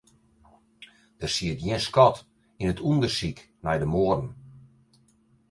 Der siet gjin skot yn it ûndersyk nei de moarden.